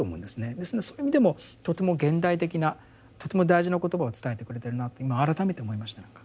ですんでそういう意味でもとても現代的なとても大事な言葉を伝えてくれてるなと今改めて思いました。